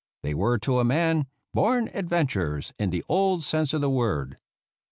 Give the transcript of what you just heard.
They were to a man born adventurers, in the old sense of the word.